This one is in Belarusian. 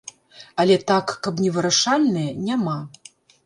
Але так, каб невырашальныя, няма.